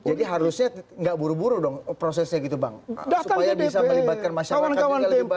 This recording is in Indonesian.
jadi harusnya enggak buru buru dong prosesnya gitu bang supaya bisa melibatkan masyarakat